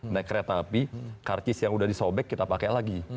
naik kereta api karcis yang udah disobek kita pakai lagi